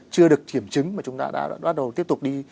chưa được kiểm chứng mà chúng ta đã bắt đầu tiếp tục đi